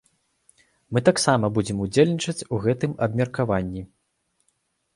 Мы таксама будзем удзельнічаць у гэтым абмеркаванні.